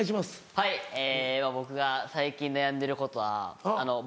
はい僕が最近悩んでることはあの僕。